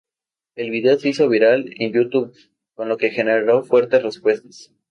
El vídeo se hizo viral en YouTube, con lo que generó fuertes respuestas.